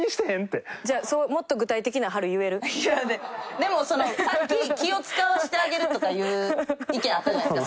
でもさっき気を使わせてあげるとかいう意見あったじゃないですか。